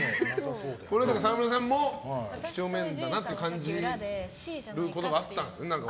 沢村さんも几帳面だなと感じることあったんですか？